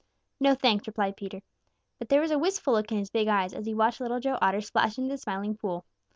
"No, thanks," replied Peter, but there was a wistful look in his big eyes as he watched Little Joe Otter splash into the Smiling Pool.